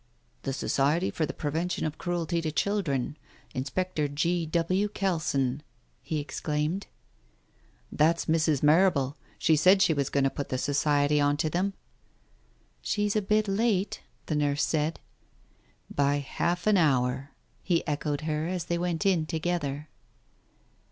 "The Society for the Prevention of Cruelty to Children. Inspector G. W. Kelson !" he exclaimed. "That's Mrs. Marrable ! She said she was going to put the Society on to them." "She's a bit late," the nurse said. "By half an hour," he echoed her, as they went in together.